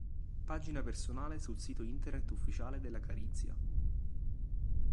Pagina personale sul sito internet ufficiale della Carinzia